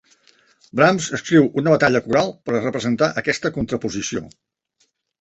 Brahms escriu una batalla coral per representar aquesta contraposició.